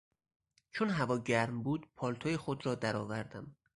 چون هوا گرم بود پالتو خود را در آوردم.